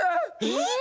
えっ？